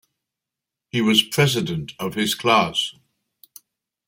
He was president of his class.